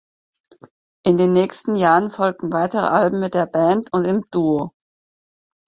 In den nächsten Jahren folgten weitere Alben mit der Band und im Duo.